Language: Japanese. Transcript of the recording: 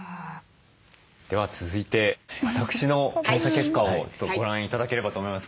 では続いて私の検査結果をご覧頂ければと思います。